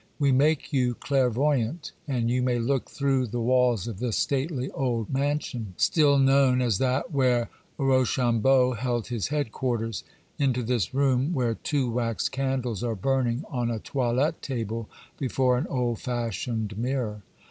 We make you clairvoyant; and you may look through the walls of this stately old mansion, still known as that where Rochambeau held his headquarters, into this room, where two wax candles are burning on a toilette table before an old fashioned mirror.